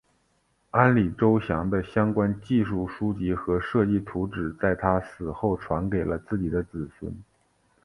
安里周祥的相关技术书籍和设计图纸在他死后传给了自己的子孙。